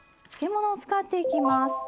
漬物を使っていきます。